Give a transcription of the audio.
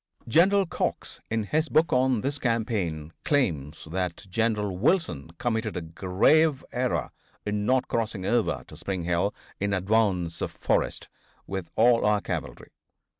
General Cox, in his book on this campaign, claims that General Wilson committed a grave error in not crossing over to Spring Hill, in advance of Forrest, with all our cavalry.